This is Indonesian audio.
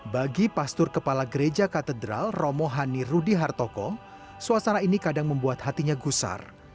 bagi pastur kepala gereja katedral romohani rudihartoko suasana ini kadang membuat hatinya gusar